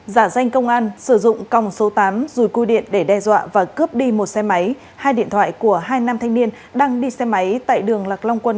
giả danh công an sử dụng còng số tám rùi cui điện để đe dọa và cướp đi một xe máy hai điện thoại của hai nam thanh niên đang đi xe máy tại đường lạc long quân